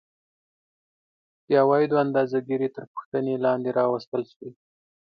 د عوایدو اندازه ګیري تر پوښتنې لاندې راوستل شوې